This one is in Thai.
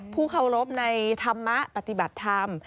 ผู้เคารพในธรรมะปฏิบัติธรรม